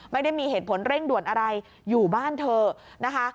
ไม่ได้มีเหตุผลเร่งด่วนอะไรอยู่บ้านเถอะนะคะ